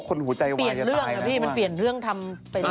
คนหูใจวายจะตายแล้ว